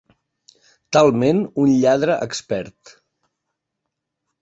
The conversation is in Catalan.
Talment un lladre expert.